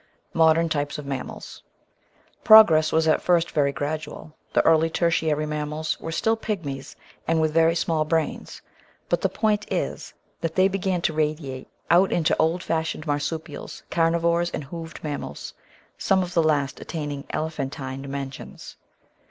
Modem Types of Mammals Progress was at first very gradual ; the early Tertiary mam mals were still pigmies and with very small brains ; but the point is that they began to radiate out into old fashioned marsupials, carnivores, and hoofed mammals — some of the last attaining ele phantine dimensions.